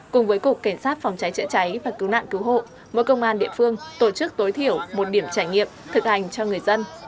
cùng với cục cảnh sát phòng cháy chữa cháy và cứu nạn cứu hộ mỗi công an địa phương tổ chức tối thiểu một điểm trải nghiệm thực hành cho người dân